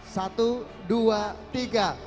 satu dua tiga